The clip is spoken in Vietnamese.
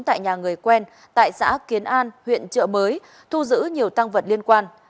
tại nhà người quen tại xã kiến an huyện trợ mới thu giữ nhiều tăng vật liên quan